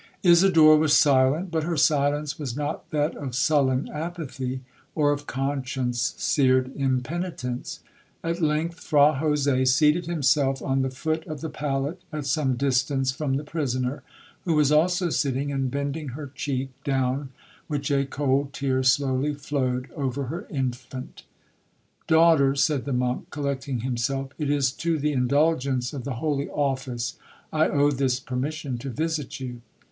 'Isidora was silent, but her silence was not that of sullen apathy, or of conscience seared impenitence. At length Fra Jose seated himself on the foot of the pallet, at some distance from the prisoner, who was also sitting, and bending her cheek, down which a cold tear slowly flowed, over her infant. 'Daughter,' said the monk, collecting himself, 'it is to the indulgence of the holy office I owe this permission to visit you.'